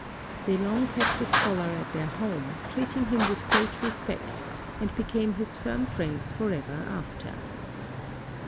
They long kept the scholar at their home, treating him with great respect, and became his firm friends for ever after.